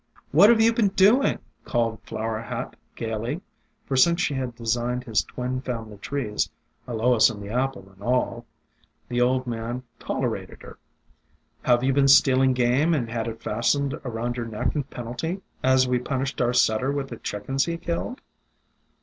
"What have you been doing?" called Flower Hat gaily, for since she had designed his twin family trees, — Alois in the apple and all, — the old man tolerated her. "Have you been stealing game and had it fastened around your neck in penalty, as we punished our setter with the chickens he killed?"